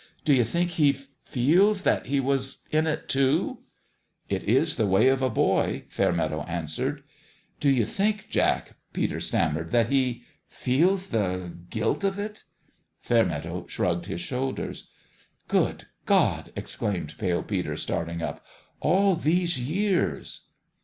Do you think he feels that he was in it, too ?"" It is the way of a boy," Fairmeadow an swered. "Do you think, Jack," Peter stammered, " that he feels the guilt of it ?" Fairmeadow shrugged his shoulders. " Good God !" exclaimed Pale Peter, starting up. " All these years